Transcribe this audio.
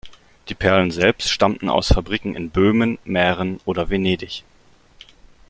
Die Perlen selbst stammten aus Fabriken in Böhmen, Mähren oder Venedig.